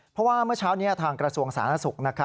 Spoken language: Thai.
เพราะว่าเมื่อเช้านี้ทางกระทรวงสาธารณสุข